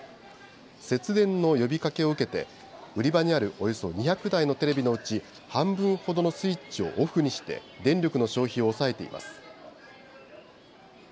節電の呼びかけを受けて売り場にあるおよそ２００台のテレビのうち半分ほどのスイッチをオフにして電力の消費を抑えています。